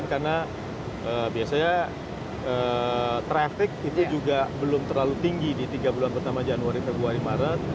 karena biasanya traffic itu juga belum terlalu tinggi di tiga bulan pertama januari februari maret